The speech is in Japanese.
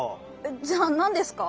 じゃあなんですか？